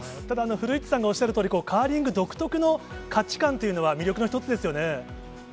ただ、古市さんがおっしゃるとおり、カーリング独特の価値観というのは、魅力の一つですよね。